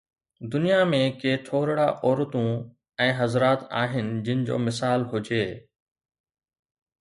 دنيا ۾ ڪي ٿورڙا عورتون ۽ حضرات آهن جن جو مثال هجي.